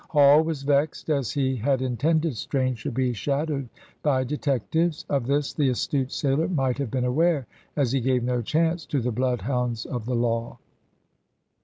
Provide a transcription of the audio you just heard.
Hall was vexed, as he had intended Strange should be shadowed by detectives. Of this the astute sailor might have been aware, as he gave no chance to the bloodhounds of the law.